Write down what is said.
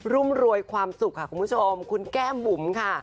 รุ่มรวยความสุขค่ะคุณผู้ชมคุณแก้มบุ๋มค่ะ